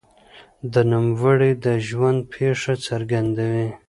د نوموړي د ژوند پېښې څرګندوي.